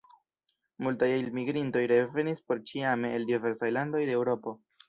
Multaj elmigrintoj revenis porĉiame el diversaj landoj de Eŭropo.